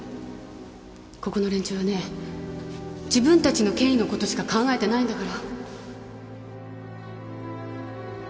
ここの連中はね自分たちの権威のことしか考えてないんだから